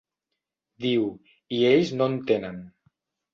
Diu—, i ells no en tenen.